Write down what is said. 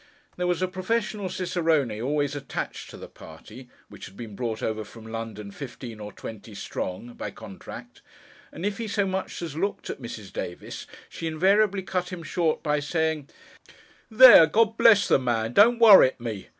There was a professional Cicerone always attached to the party (which had been brought over from London, fifteen or twenty strong, by contract), and if he so much as looked at Mrs. Davis, she invariably cut him short by saying, 'There, God bless the man, don't worrit me!